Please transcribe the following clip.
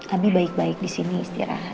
abi baik baik disini istirahat